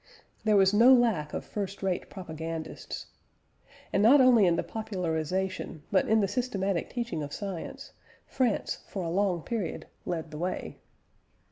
There was no lack of first rate propagandists. And not only in the popularisation, but in the systematic teaching of science, France for a long period led the way.